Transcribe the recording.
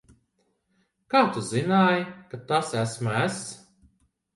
Kā tu zināji, ka tas esmu es?